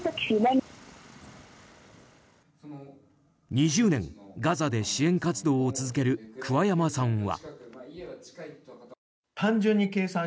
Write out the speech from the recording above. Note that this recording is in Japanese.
２０年、ガザで支援活動を続ける桑山さんは。